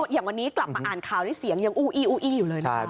อย่างวันนี้กลับมาอ่านข่าวได้เสียงยังอู้อี้อูอี้อยู่เลยนะครับ